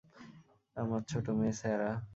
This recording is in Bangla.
আমার ছোট মেয়ে স্যারা।